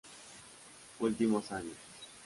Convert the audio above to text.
Últimos años.